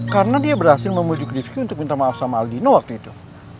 karena dia berhasil memujuk rivki untuk minta maaf sama aldino waktu itu